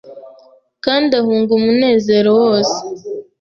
Kandi ahunga umunezero wose